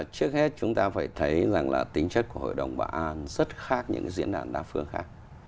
trước hết chúng ta phải thấy rằng là tính chất của hội đồng bảo an rất khác những diễn đàn đa phương khác